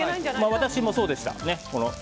私もそうでした。